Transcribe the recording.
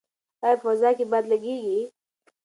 ایا په فضا کې باد لګیږي؟